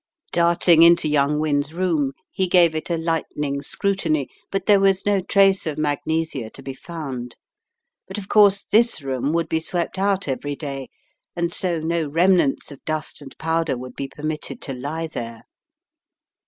Darting into young Wynne's room, he gave it a lightning scrutiny, but there was no trace of magnesia In the Doctor's Surgery 191 to be found. But of course this room would be swept out every day and so no remnants of dust and powder would be permitted to lie there.